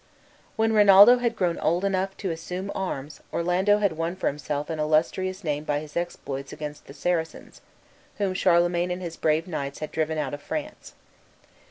When Rinaldo had grown old enough to assume arms Orlando had won for himself an illustrious name by his exploits against the Saracens, whom Charlemagne and his brave knights had driven out of France.